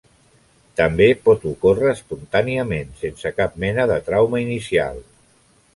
També pot ocórrer espontàniament, sense cap mena de trauma inicial.